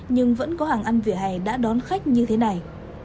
nhưng vẫn có hàng ăn vỉa hè đã đón khách như thế này